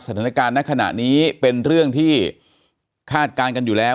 สถานการณ์ในขณะนี้เป็นเรื่องที่คาดการณ์กันอยู่แล้ว